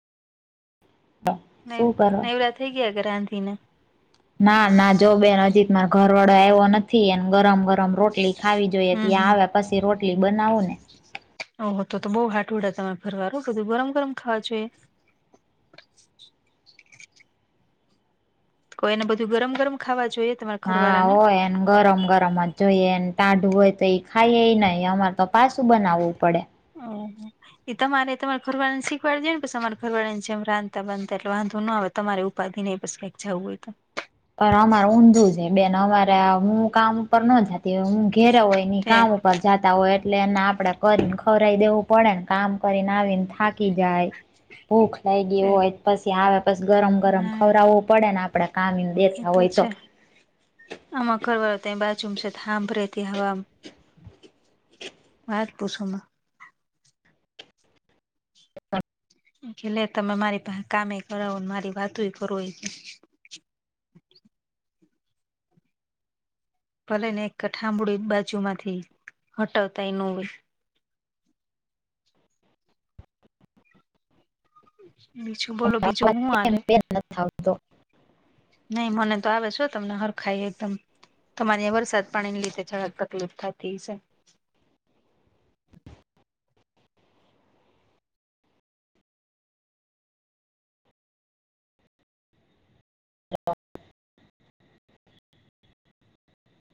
ન શું કરો? નૈવરા થઈ ગયા ઘ રાંધીને ના, જો બેન હજીક મારે ઘર વાડો આવ્યો નથી એને ગરમ ગરમ રોટલી ખાવી જોઈએ હમ ત્યાં હમ આવે પછી રોટલી બનાવું ને ઓહ તો તો બઉ હાટવડા તમે ફરવાનું બધું ગરમ ગરમ ખાવા જોઈએ. એને બધું ગરમ ખાવા જોઈએ. તમાર હા, હો એને ગરમ-ગરમ જ જોઈએને ટાઢું હોય તો એ ખાઈ એ ન અમારે તો પાસું બનાવવું પડે. હા. એ તમારે તમારા ઘરવાળાને શીખવાડ દે ને પ અમારા ઘરવાળાને જેમ રાંધતા બાંધતા એટલે વાંધો ના આવે. તમારે ઉપાધિ ન પછી કંક જવું હોય તો પણ અમાર ઊંધું છે બેન અમારે હું કામ ઉપર ન જતી હોય હું ઘેરે હોય ની કામ ઉપર જતા હોય એટલે એને આપણે કરીને ખવરાઈ દેવું પડે ને કામ કરીને આવીને થાકી જાય. ભૂખ તો છે લાગી છે હોય પછી આવે પછી ગરમ-ગરમ હા ખવરાવવું પડે ને આપડે કામી એ તો છે આમાં ઘરવાળો ત્યાં બાજુમ છે થાંભ રહેતી, હા. વાત પૂછોમા [unintelligible] એલે તમે મારી પાસે કમે કરાવો મારી વાતોય કરો એ ભલે ને એક થામણું બાજુ માંથી હટાવતાય ન હોય. બીજું બોલો બીજું હું આલે? બેન નથી આવતો નહી મને તો આવે છે, તમને હરખાય એકદમ તમારે વરસાદ પાણીની લીધે જડક તકલીફ થતી હશે [unintelligible]